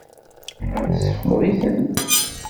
Tessefqed-itent?